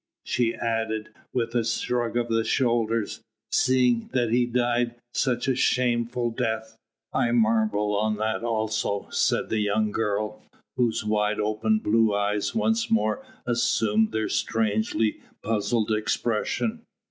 she added with a shrug of the shoulders, "seeing that he died such a shameful death." "I marvel on that also," said the young girl, whose wide open blue eyes once more assumed their strangely puzzled expression.